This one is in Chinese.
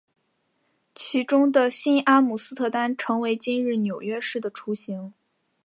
其中的新阿姆斯特丹成为今日纽约市的雏形。